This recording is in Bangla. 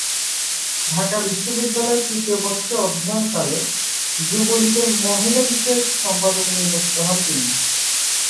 ঢাকা বিশ্ববিদ্যালয়ে তৃতীয় বর্ষে অধ্যয়নকালে যুবলীগের মহিলা বিষয়ক সম্পাদক নির্বাচিত হন তিনি।